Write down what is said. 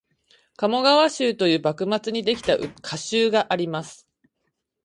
「鴨川集」という幕末にできた歌集があります